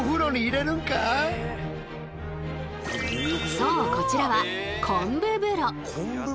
そうこちらは昆布風呂。